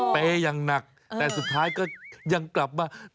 ไปอย่างหนักแต่สุดท้ายก็ยังกลับมา